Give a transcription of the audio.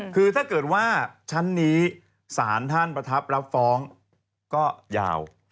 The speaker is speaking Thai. คือถ้าเกิดว่าชั้นนี้สารท่านประทับรับฟ้องก็ยาว